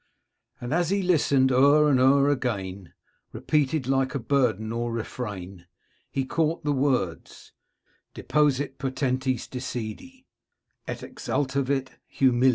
And, as he listened, o'er and o'er again Repeated, like a burden or refrain, He caught the words :* Deposuit potentes De sede, et exaltavit humiles.'